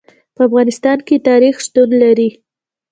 په افغانستان کې تاریخ شتون لري.